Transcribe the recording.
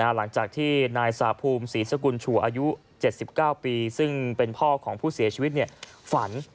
หลังจากที่นายสาภูมิศรีสกุลชัวร์อายุ๗๙ปีซึ่งเป็นพ่อของผู้เสียชีวิตฝัน